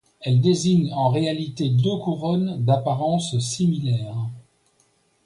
Elle désigne en réalité deux couronnes d'apparence similaire.